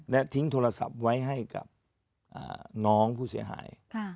และทิ้งโทรศัพท์ไว้ให้กับน้องผู้เสียหาย